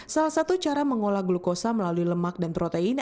salah satu cara mengolah glukosa melalui lemak dan protein